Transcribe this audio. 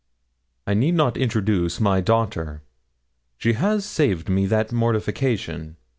'I need not introduce my daughter; she has saved me that mortification.